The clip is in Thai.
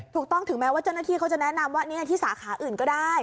ถูกต้องถึงแม้ว่าเจ้าหน้าที่เขาจะแนะนำว่าที่สาขาอื่นก็ได้